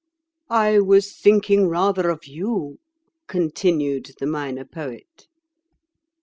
"I was thinking rather of you," continued the Minor Poet.